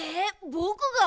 ぼくが？